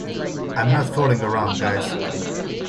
I'm not fooling around guys.